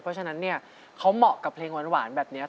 เพราะฉะนั้นเนี่ยเขาเหมาะกับเพลงหวานแบบนี้